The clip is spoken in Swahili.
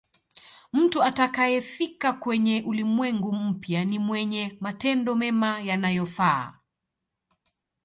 mtu atakayefika kwenye ulimwengu mpya ni mwenye matendo mema yanayofaa